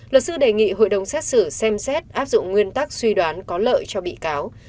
luật sư đề nghị hội đồng xét xử xem xét áp dụng nguyên tắc suy đoán có lợi cho bị cáo